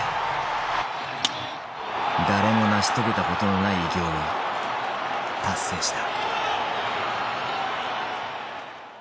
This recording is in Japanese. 誰も成し遂げたことのない偉業を達成した。